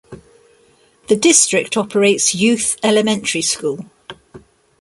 The district operates Youth Elementary School.